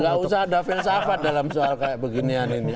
gak usah ada filsafat dalam soal kayak beginian ini